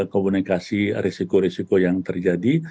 komunikasi risiko risiko yang terjadi